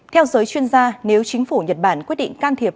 theo giới chuyên gia nếu chính phủ nhật bản quyết định can thiệp